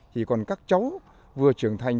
thì còn các cháu vừa trưởng thành